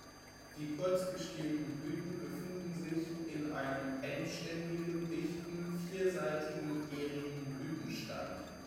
Die kurz gestielten Blüten befinden sich in einem endständigen, dichten, vierseitigen, ährigen Blütenstand.